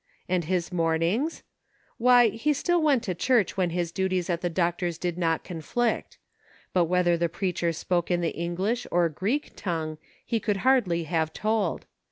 And his mornings ? Why, he still went to church when his duties at the doctor's did not conflict. But whether the preacher spoke in the English or Greek tongue he could hardly have told.